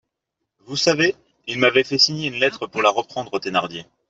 Vous savez ? il m'avait fait signer une lettre pour la reprendre aux Thénardier.